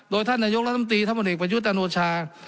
โดยท่านนายกรัฐมนตรีธรรมเนกบัญชีวิตอาโนชา